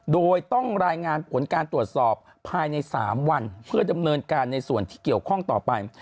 โดยต้องรายงานผลการตรวจสอบภายใน๓วันเพื่อดำเนินการในส่วนที่เกี่ยวข้องต่อไป